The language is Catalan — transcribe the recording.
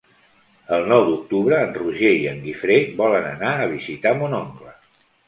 El nou d'octubre en Roger i en Guifré volen anar a visitar mon oncle.